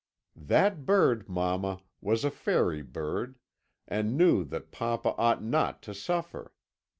That bird, mamma, was a fairy bird, and knew that papa ought not to suffer.